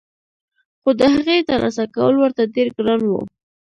خو دهغې ترلاسه کول ورته ډېر ګران وو